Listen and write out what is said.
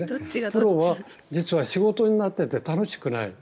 プロは仕事になっていて楽しくない。